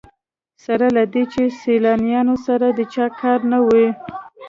سره له دې چې سیلانیانو سره د چا کار نه وي.